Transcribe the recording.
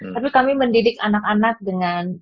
tapi kami mendidik anak anak dengan